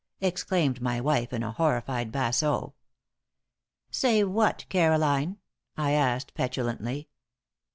exclaimed my wife, in a horrified basso. "Say what, Caroline?" I asked, petulantly.